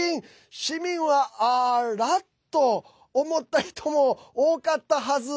市民は、「あらっ？」と思った人も多かったはず。